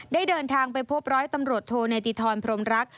เดินทางไปพบร้อยตำรวจโทเนติธรพรมรัก